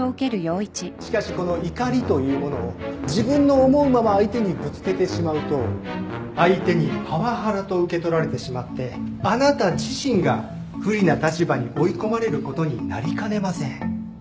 しかしこの怒りというものを自分の思うまま相手にぶつけてしまうと相手にパワハラと受け取られてしまってあなた自身が不利な立場に追い込まれることになりかねません